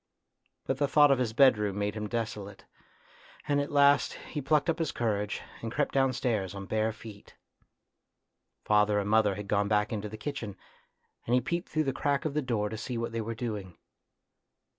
But the thought of his bedroom made him desolate, and at last he plucked up his courage, and crept downstairs on bare feet. Father and mother had gone back into the kitchen, and he peeped through the crack of the door to see what they were doing.